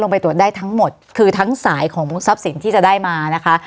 ไปตรวจได้ทั้งหมดคือทั้งสายของทรัพย์สินที่จะได้มานะคะ